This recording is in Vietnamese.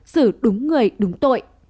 xử đúng người đúng tội